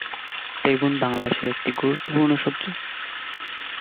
বেগুন বাংলাদেশের একটি গুরুত্বপূর্ণ সবজি।